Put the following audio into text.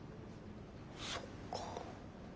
そっか。